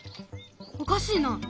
おかしいな。